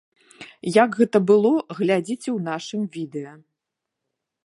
Як гэта было, глядзіце ў нашым відэа.